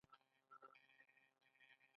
د چغسرای نوم په تاریخ کې راغلی